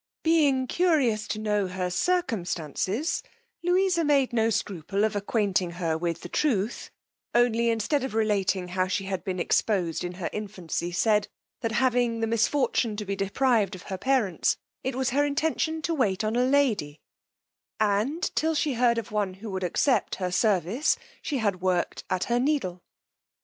Being curious to know her circumstances, Louisa made no scruple of acquainting her with the truth, only instead of relating how she had been exposed in her infancy, said, that having the misfortune to be deprived of her parents, it was her intention to wait on a lady, and till she heard of one who would accept her service, she had work'd at her needle.